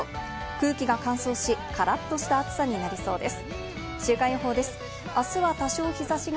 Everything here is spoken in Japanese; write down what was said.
空気が乾燥し、からっとした暑さになりそうです。